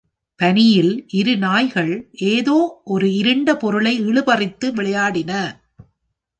பனியில் இரு நாய்கள் ஏதோ ஒரு இருண்ட பொருளை இழுபறித்து விளையாடின.